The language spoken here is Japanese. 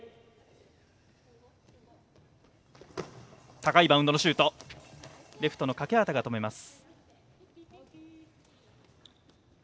高いバウンドのシュートはレフトの欠端が止めました。